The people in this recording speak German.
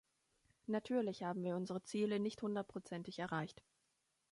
Natürlich haben wir unsere Ziele nicht hundertprozentig erreicht.